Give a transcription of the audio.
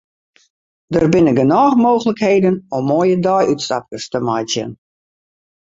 Der binne genôch mooglikheden om moaie deiútstapkes te meitsjen.